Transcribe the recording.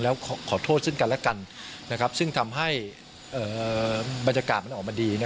แล้วขอโทษซึ่งกันและกันซึ่งทำให้บรรยากาศมันออกมาดี